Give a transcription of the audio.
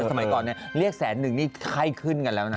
เพราะสมัยตอนนี้เรียกสามแสนหนึ่งนี่ค่ายขึ้นกันแล้วนะ